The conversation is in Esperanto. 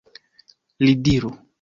Li diru!